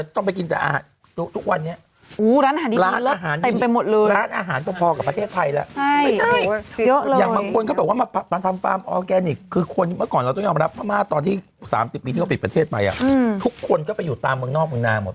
ตอนที่๓๐ปีที่เขาปิดประเทศไปทุกคนก็ไปอยู่ตามเมืองนอกเมืองนาหมด